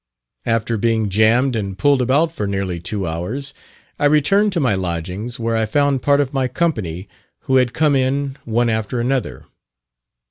After being jammed and pulled about for nearly two hours, I returned to my lodgings, where I found part of my company, who had come in one after another.